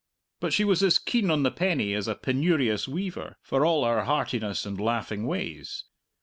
But she was as keen on the penny as a penurious weaver, for all her heartiness and laughing ways.